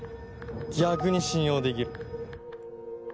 逆に信用できる。